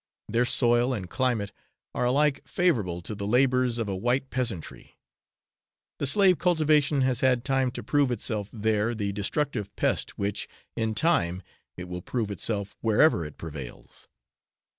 Their soil and climate are alike favourable to the labours of a white peasantry: the slave cultivation has had time to prove itself there the destructive pest which, in time, it will prove itself wherever it prevails.